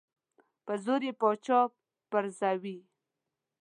په زور یې پاچا پرزوي.